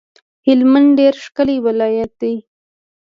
هلمند ډیر ښکلی ولایت دی